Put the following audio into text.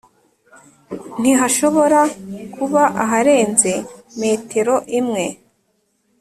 ntihashobora kuba aharenze metero imwe.